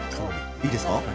いいですか？